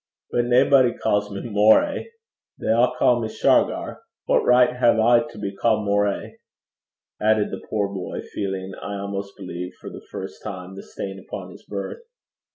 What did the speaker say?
But naebody ca's me Moray. They a' ca' me Shargar. What richt hae I to be ca'd Moray?' added the poor boy, feeling, I almost believe for the first time, the stain upon his birth.